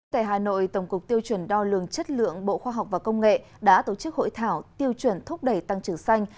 tại hà nội tổng cục tiêu chuẩn đo lường chất lượng bộ khoa học và công nghệ đã tổ chức hội thảo tiêu chuẩn thúc đẩy tăng trưởng xanh